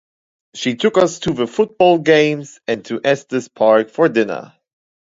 She took us to football games and to Estes Park for dinner.